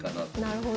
なるほど。